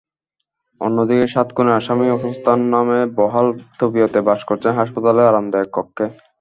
অন্যদিকে, সাত খুনের আসামি অসুস্থতার নামে বহাল তবিয়তে বাস করছেন হাসপাতালের আরামদায়ক কক্ষে।